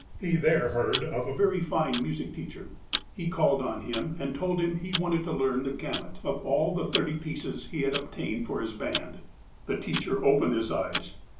He there heard of a very fine music teacher. He called on him and told him he wanted to learn the gamut of all the thirty pieces he had obtained for his band. The teacher opened his eyes.